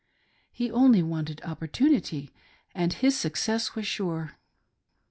He only wanted opportunity and his success was sure.